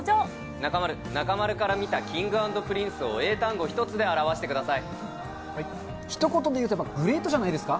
中丸、中丸から見たＫｉｎｇ＆Ｐｒｉｎｃｅを英単語１つで表ひと言でいうと、グレートじゃないですか。